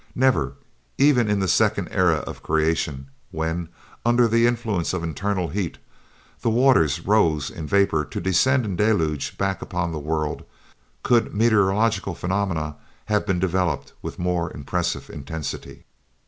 Never, even in the second era of creation, when, under the influence of internal heat, the waters rose in vapor to descend in deluge back upon the world, could meteorological phenomena have been developed with more impressive intensity.